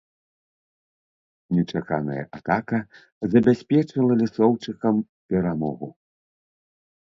Нечаканая атака забяспечыла лісоўчыкам перамогу.